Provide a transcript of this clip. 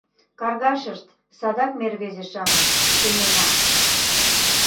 Каргашышт, садак ме, рвезе-шамыч, сеҥена.